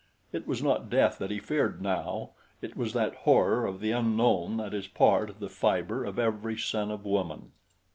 It was not death that he feared now it was that horror of the unknown that is part of the fiber of every son of woman.